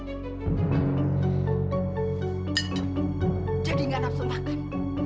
tidak ada yang bisa saya berikan